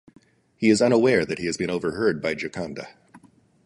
He is unaware that he has been overheard by Gioconda.